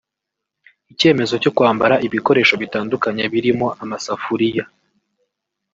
Icyemezo cyo kwambara ibikoresho bitandukanye birimo amasafuriya